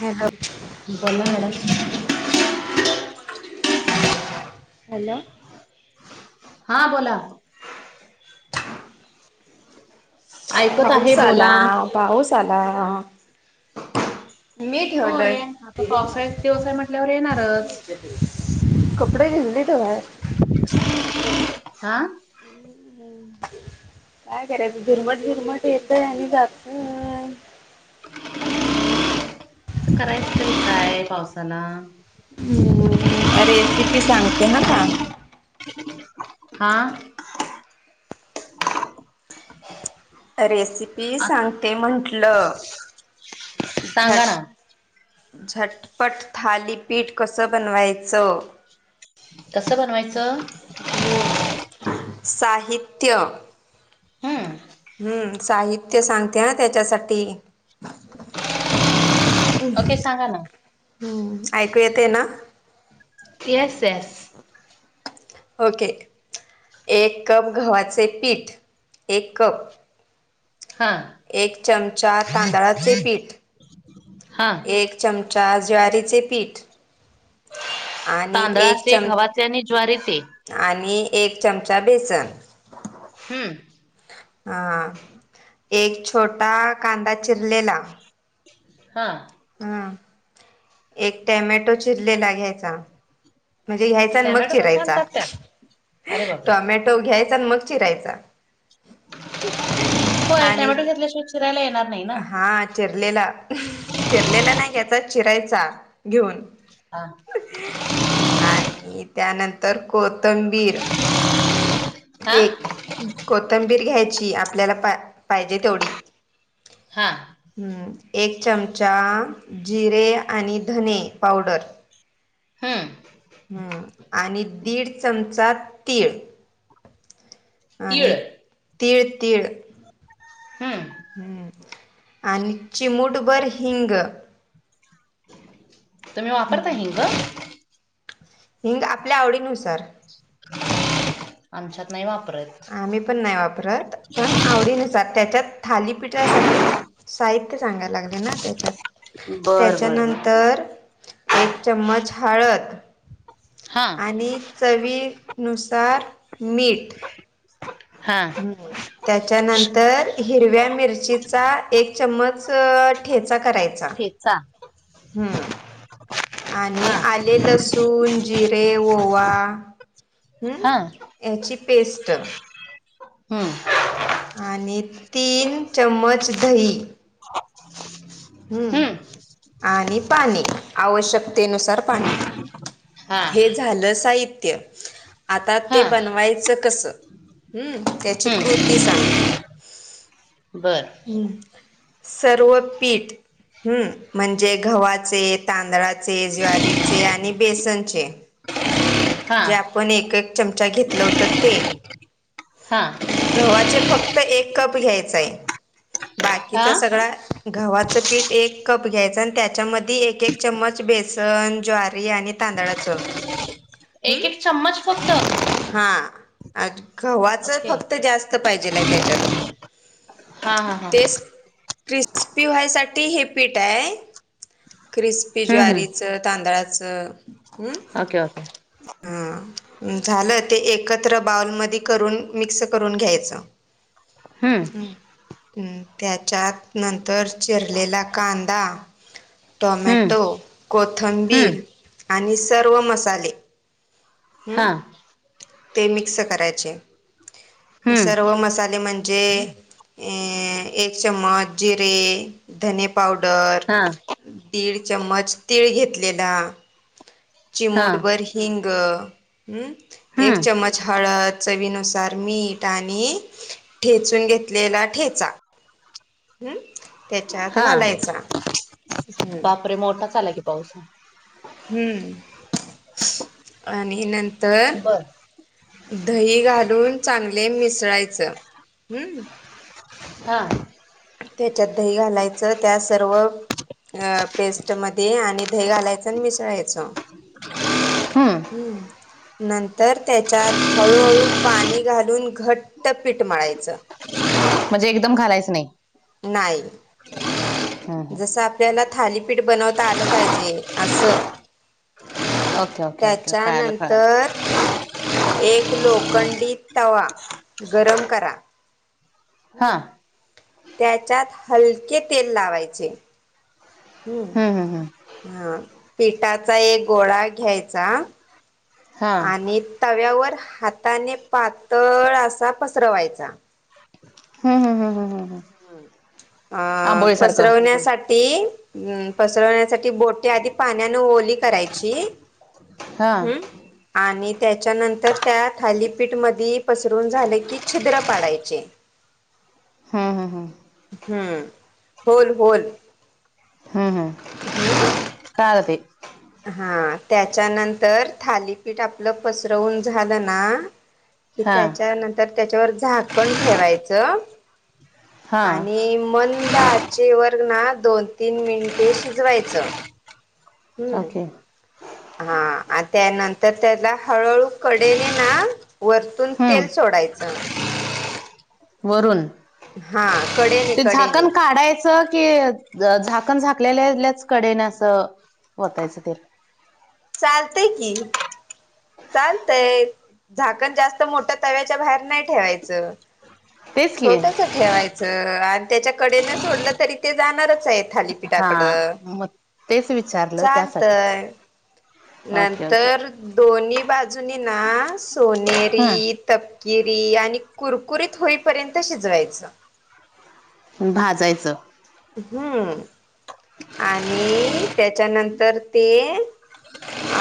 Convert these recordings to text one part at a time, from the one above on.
Hello [inaudible] बोला madam. [inaudible] Hello. [inaudible] हा बोला. ऐकत आहे पाऊस आला, बोला पाऊस आला. [inaudible] मी ठेवलोय. होय आता पावसाळ्याचे दिवस आहे म्हटल्यावर येणारच [unintelligible] कपडे भिजलीत ओ बाहेर. [unintelligible] हा. [inaudible] काय करायचं, झिरमट झिरमट येतोय, आणि जातोय. आता करायच तरी काय पावसानं. हम्म हम्म, रेसिपी सांगते हं का [unintelligible] हा [inaudible] रेसिपी आ, सांगते म्हटलं. [inaudible] झट सांगा ना झटपट थालीपीठ कसं बनवायचं? [inaudible] कसं बनवायचं? हम्म. साहित्य हम्म, साहित्य सांगते हं त्याच्यासाठी ओके सांगा ना. हम्म, ऐकू येतंय ना. [inaudible] Yes yes. ओके. एक कप गव्हाचे पीठ, एक कप हा. एक चमचा तांदळाचे पीठ [inaudible] हा एक चमचा ज्वारीचे पीठ, आणि एक चम त्याने ज्वारीचे आणि एक चमचा बेसन. हम्म. हा, एक छोटा कांदा चिरलेला हा. हम, एक टॅमॅटो चिरलेला घ्यायचा. म्हणजे घ्यायचा मग टॅमॅटो पण चिरायचा. घालतात त्यात अरे बापरे टॉमॅटो घ्यायचा आणि चिरायचा. [unintelligible] होय आणि टोमॅटो घेतल्याशिवाय चिरायला येणार नाही ना हा चिरलेला, चिरलेला नाही घ्यायचा, चिरायचा घेऊन. [inaudible] हा. आणि त्यानंतर कोथंबीर. हा एक कोथंबीर घ्यायची आपल्याला पा पाहिजे तेवढी. हां. हम, एक चमचा जिरे आणि धने पावडर. हम. हम्म आणि दीड चमचा तीळ. आणि तीळ तीळ तीळ. हम्. हम्म आणि चिमूटभर हिंग. तुम्ही वापरता हिंग. हिंग आपल्या आवडीनुसार. आमच्यात नाही वापरत. आम्ही पण नाही वापरत पण आवडीनुसार त्याच्यात थाली पिठासाठी साहित्य सांगायला लागले ना त्याच्यात बर बर बर त्याच्यानंतर एक चम्मच हळद. हा आणि चवीनुसार मीठ. हा. हम्म त्याच्यानंतर हिरव्या मिरचीचा एक चम्मच ठेचा करायचा. ठेचा हम्म आणि हा आले लसूण, जिरे, ओवा हम्म. हा याची पेस्ट. हम. आणि तीन चम्मच दही. [inaudible] हम्म आणि पाणी आवश्यकतेनुसार पाणी. हा हे झालं साहित्य, आता हा ते बनवायचं कस? हम, त्याची कृती सांगते. बरं. हम, सर्वपीठ. हम् म्हणजे गव्हाचे, तांदळाचे, ज्वारीचे आणि बेसनचे. हा जे आपण एक एक चमचा घेतल होत ते, हा हम्. गव्हाचे फक्त एक कप घ्यायचय, हा बाकीचा सगळा गव्हाचं पीठ एक कप घ्यायचं आणि त्याच्यामधी एक एक चम्मच बेसन, ज्वारी आणि तांदळाचं. एक एक चम्मच फक्त. हां. [unintelligible] गव्हाच ओके फक्त जास्त पाहिजेलाय त्याच्यात. हा हा हा. तेच क्रिस्पी व्हायसाठी हे पीठ आहे. क्रिस्पी हम्म हम्म ज्वारीचं, तांदळाचं हम्. ओके ओके हा झालं ते एकत्र बाऊलमध्ये करून मिक्स करून घ्यायचं. हम्म. हम त्याच्यात नंतर चिरलेला कांदा. हम्म टोमॅटो, कोथंबीर हम्म आणि सर्व मसाले हम्म हां. ते मिक्स करायचे. हम्म सर्व मसाले म्हणजे अ एक चमच जिरे, धणे पावडर हा दीड चमच तीळ घेतलेला, हा चिमुटभर हिंग. हम्म! एक हम्म चमच हळद, चवीनुसार मीठ आणि ठेचून घेतलेला ठेचा. हम, त्याच्यात हा घालायचा. हम्म बापरे! मोठाच आला की पाऊस. हम्म आणि नंतर बर दही घालून चांगले मिसळायचं. हम्म. हा! त्याच्यात दही घालायचं त्या सर्व अ पेस्टमध्ये आणि दही घालायचं आणि मिसळायचं. हम्म! नंतर त्याच्यात हळूहळू पाणी घालून घट्ट पीठ मळायचं. [unintelligible] म्हणजे एकदम घालायच नाही? नाही. हम्म हम्म जसं आपल्याला थालीपीठ बनवता आलं पाहिजे, असं. ओके ओके ओके कळालं कळालं त्याच्यानंतर- एक लोखंडी तवा गरम करा. हा हम्, त्याच्यात हलके तेल लावायचे. हम्म, हा पिठाचा एक गोळा घ्यायचा- हा आणि तव्यावर हाताने पातळ असा पसरवायचा. हम् हम हम हम हम! हम् अ सारखं पसरवण्यासाठी- पसरवण्यासाठी बोटे आधी पाण्यान ओली करायची. हा हम्म! आणि त्याच्यानंतर त्या थालीपीठ मधी पसरून झालं की छिद्र पाडायची. हा हा हा! हम्म, होल, होल. हम हम! हम्म! कळालं ते. हा त्याच्यानंतर थालीपीठ आपलं पसरवून झालं ना- कि हा त्याच्यानंतर त्याच्यावर झाकण ठेवायचं. हा आणि मंद आचेवर ना दोन- तीन मिनिटे शिजवायचं. हम्म! ओके हा, त्यानंतर त्याला हळूहळू कडेने ना- वरतून तेल हम्म सोडायचं. वरून. हा कडेने ते झाकण कडेने काढायचं की- झाकण झाकलेलेल्याच कडे ना असं ओतायचं ते? चालतंय की! चालतंय, झाकण जास्त मोठ्या तव्याच्या बाहेर नाही ठेवायचं. तेच की छोटस ठेवायचं आणि त्याच्याकडे न सोडलं तरी ते जाणारच आहे थाली- हा पीठाकडं मग तेच विचारलं त्यासाठीच चालतय. ओके ओके नंतर दोन्ही बाजूनी ना सोनेरी हम्म तपकिरी आणि कुरकुरीत होईपर्यंत शिजवायचं. भाजायचं. हम्म आणि त्याच्यानंतर ते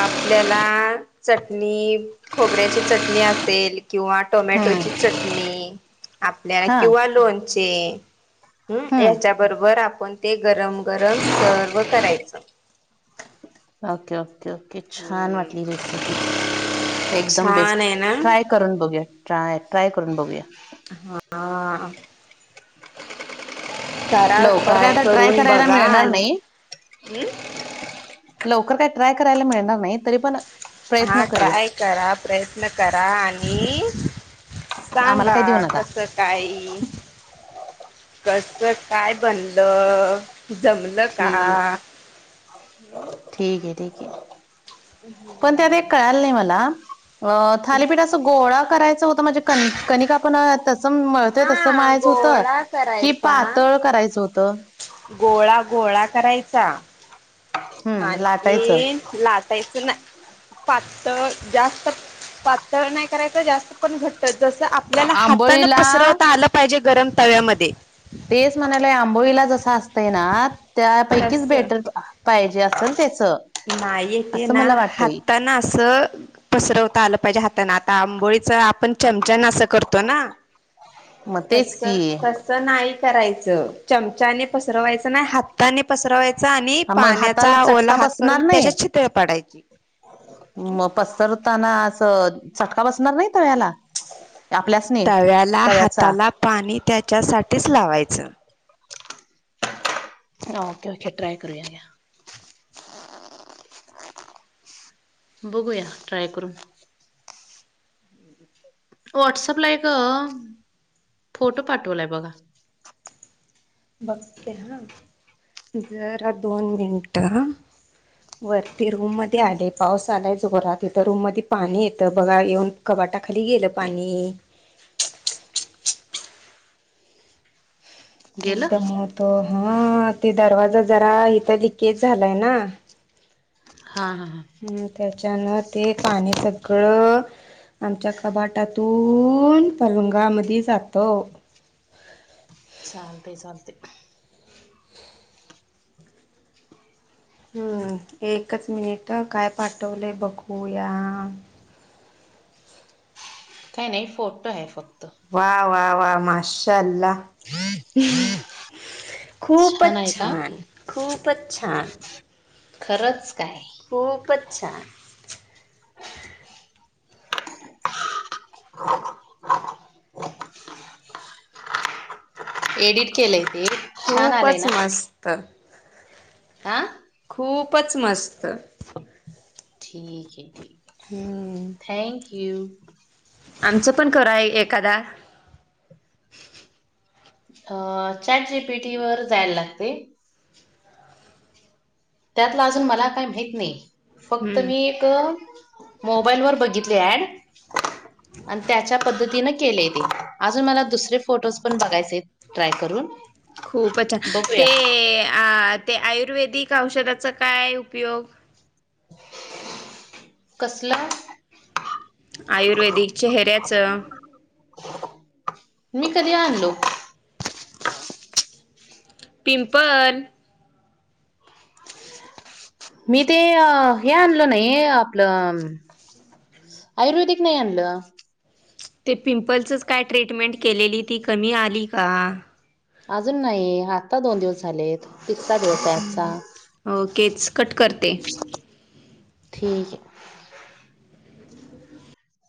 आपल्याला चटणी खोबऱ्याची चटणी असेल किंवा टोमॅटोची हम्म चटणी आपल्याला हा किंवा लोणचे हम्म ह्याच्या बरोबर आपण ते गरम गरम सर्व करायचं. ओके ओके ओके छान हम्म वाटली र एकदम छान बेस्ट आहे ना ट्राय करून बघूया ट्राय ट्राय करून बघूया. हा. करा लवकर काय आता ट्राय करून करायला बघा मिळणार आणि नाही. हम्म लवकर का ट्राय करायला मिळणार नाही तरी पण हा प्रयत्न ट्राय करूया करा प्रयत्न करा आणि आम्हाला सांगा काय देऊ नका कस काय. कस काय बनल जमल का? ठीक ठीक आहे ठीक आहे. [inaudible] पण त्यात एक कळाला नाही मला थालीपीठ असं गोळा करायचं होत म्हणजे कणि कणिक आपण तसं मळतोय तसं हा मळायचं होतं गोळा की करायचा पातळ करायचं होतं? गोळा गोळा करायचा हम्म आणि लाटायचं ते लाटायचं नाही. पातळ जास्त पातळ नाही करायचं जास्त पण घट जसं आपल्याला हाताानं आंबोळीला पसरवता आलं पाहिजे गरम तव्यामध्ये तेच म्हणाले आंबोळीला जस असतंय ना त्यापैकीच तस बेटर पाहिजे असेल त्याचं. नाही ते ना हाता न असं पसरवता आलं पाहिजे हाताने आता आंबोळीच आपण चमचान असं करतो ना. मग तेच तस की तस नाही करायचं चमचाने पसरवायचं नाही हाताने पसरवायचा आणि मग हाताला पाण्याचा ओला चटका हात करून बसणार नाही त्याच्यात छिद्रे पाडायची. मग पसरताना असं चटका बसणार नाही तव्याला? आपल्या? तव्याला हाताला पाणी त्याच्यासाठीच लावायचं. हो ओके ओके ट्राय करूया बघूया ट्राय करून. व्हॉट्सअपला एक फोटो पाठवलाय बघा. बघते हा जरा दोन मिनिट हा वरती रूम मध्ये आले पाऊस आलाय जोरात इथं रूम मध्ये पाणी येतं बघा येऊन कपाटाखाली गेलं पाणी गेलं दमवतो हा ते दरवाजा जरा इथं लिकेज झालाय ना. हा -हा -हा. त्याच्यानं ते पाणी सगळं आमच्या कपाटातून पलंगामध्ये जातं. चालतंय - चालतंय. हम्म... एकच मिनिट काय पाठवले. बघूया काही नाही, फोटो आहे फक्त. वा.. वा.. वा.. माशाल्ला [inaudible] खूपच.. छान आहे का छान- खूपच... छान खरंच काय? खूपच... छान. [unintelligible] एडिट केलंय ते. छान आलंय खूपच... मस्त. आ... खूपच... मस्त. ठीक... आहे. ठीक... आहे. हम... थॅंक... यू. आमचं पण करा एखादा अ चॅट जी पिटी वर जायला लागते. त्यातला, अजून मला काही माहित नाही. फक्त हम्म मी [inaudible] मोबाईल वर बघितले. ऍड? आणि, त्याच्या पद्धतीन केलेय ते. अजून, मला दुसरे फोटोज पण बघायचे आहेत, ट्राय करून. खूपच बघूया ते.... आ...., ते आयुर्वेदिक औषधाचा काय उपयोग? कसला? आयुर्वेदिक चेहऱ्याचं... मी कधी आणनलो. पिंपल.... मी ते आ हे आणल नाही, ते आपलं आयुर्वेदिक नाई आणलं. ते, पिंपलचच काय, ट्रीटमेंट केलेली ती कमी आली का? अजून नाही, आत्ता दोन दिवस झालेत. तिसरा दिवस आहे आजचा ओकेच, कट करते. ठीक ये....